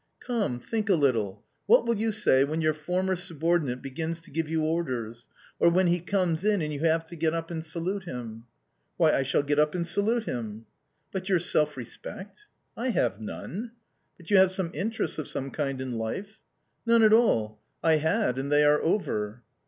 " Come, think a little, what will you say when your former subordinate begins to give you orders, or when he comes in and you have to get up and salute him ?"" Why, I shall get up and salute him." " But your self respect ?"" I have none." " But you have some interests of some kind in life ?"" None at all. I had and they are over."